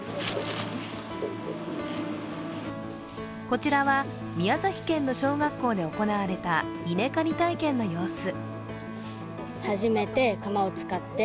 こちらは、宮崎県の小学校で行われた稲刈り体験の様子。